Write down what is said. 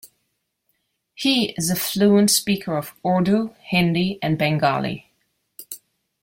He is a fluent speaker of Urdu, Hindi, and Bengali.